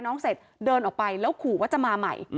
เสร็จเดินออกไปแล้วขู่ว่าจะมาใหม่